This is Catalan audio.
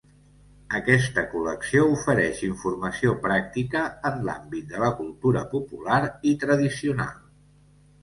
Aquesta col·lecció ofereix informació pràctica en l'àmbit de la cultura popular i tradicional.